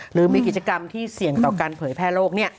หรือมีกิจกรรมที่เสี่ยงต่อการเผยแพร่โลก